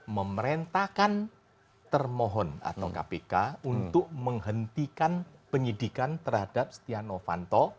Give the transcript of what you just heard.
memerintahkan termohon atau kpk untuk menghentikan penyidikan terhadap stianovanto